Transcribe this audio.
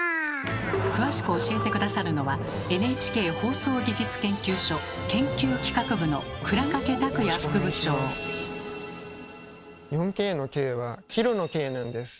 詳しく教えて下さるのはＮＨＫ放送技術研究所研究企画部の４Ｋの「Ｋ」はキロの「Ｋ」なんです。